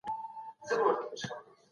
ما مخکې له مخکې پلټنه کړې وه.